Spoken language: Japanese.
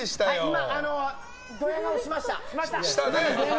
今、ドヤ顔しました。